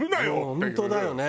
本当だよね。